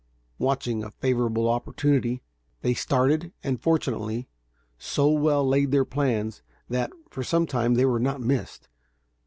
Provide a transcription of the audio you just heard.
Watching a favorable opportunity, they started, and fortunately, so well laid their plans, that, for some time, they were not missed.